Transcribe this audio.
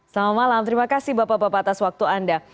selamat malam terima kasih bapak bapak atas waktu anda